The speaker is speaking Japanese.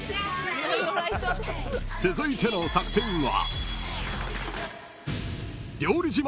［続いての作戦は］